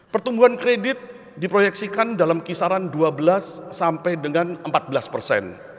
pertumbuhan kredit diproyeksikan dalam kisaran dua belas sampai dengan empat belas persen